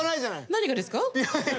何がですか？